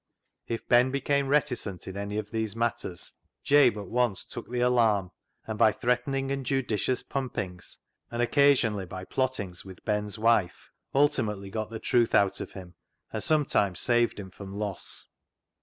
If Ben became reticent in any of these matters Jabe at once took the alarm, and by threatening and judicious " pumpings," and occasionally by plottings with Ben's wife, 217 2i8 CLOG SHOP CHRONICLES ultimately got the truth out of him, and some times saved him from loss.